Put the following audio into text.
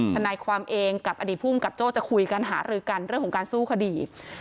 ทนายความเองกับอดีตภูมิกับโจ้จะคุยกันหารือกันเรื่องของการสู้คดี